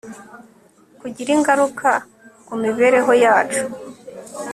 kugira ingaruka ku mibereho yacu